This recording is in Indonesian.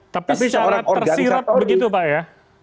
tapi secara tersirap begitu pak ya